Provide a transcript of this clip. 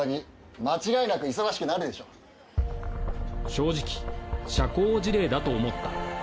正直社交辞令だと思った